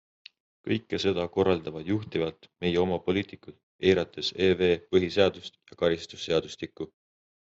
Kõike seda korraldavad juhtivalt meie oma poliitikud, eirates EV põhiseadust ja karistusseadustikku.